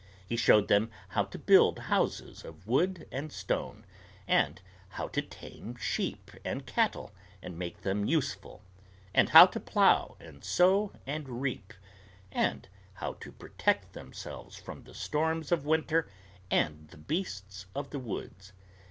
He showed them how to build houses of wood and stone, and how to tame sheep and cattle and make them useful, and how to plow and sow and reap, and how to protect themselves from the storms of winter and the beasts of the woods.